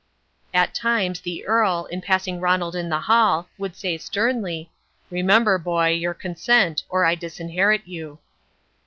At times the Earl, in passing Ronald in the hall, would say sternly, "Remember, boy, your consent, or I disinherit you."